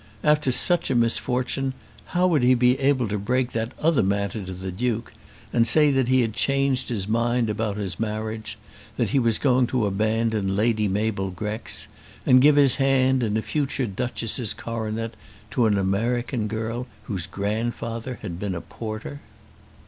After such a misfortune how would he be able to break that other matter to the Duke, and say that he had changed his mind about his marriage, that he was going to abandon Lady Mabel Grex, and give his hand and a future Duchess's coronet to an American girl whose grandfather had been a porter?